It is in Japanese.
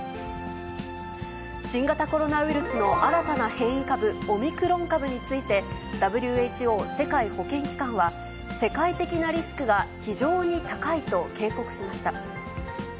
新型コロナウイルスの新たな変異株、オミクロン株について、ＷＨＯ・世界保健機関は、世界的なリスクが非常に高いと警告しました。